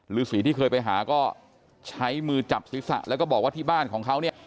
ฤษีที่เคยไปหาก็ใช้มือจับศีรษะแล้วก็บอกว่าที่บ้านของเขาเนี่ย